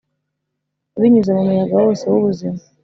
binyuze mu muyaga wose w'ubuzima,